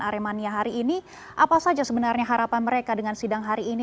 aremania hari ini apa saja sebenarnya harapan mereka dengan sidang hari ini